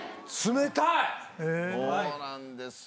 そうなんですよ。